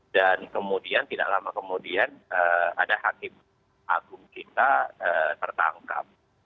dan kemudian tidak lama kemudian ada hakim agung kita tertangkap